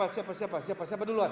siapa siapa siapa duluan